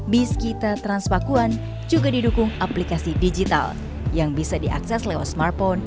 biskita transpakuan juga didukung aplikasi digital yang bisa diakses lewat smartphone